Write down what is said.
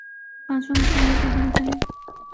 پانچواں مسئلہ یہ پیدا ہوتا ہے